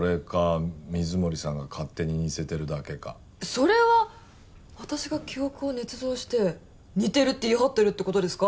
それは私が記憶を捏造して似てるって言い張ってるって事ですか？